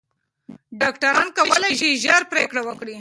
ډاکټران کولی شي ژر پریکړه وکړي.